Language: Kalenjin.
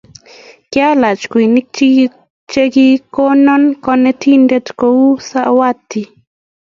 Kialach kweinik chuk che kikono kanetindet kou sawati